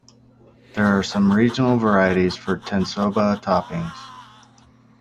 There are some regional varieties for tensoba toppings.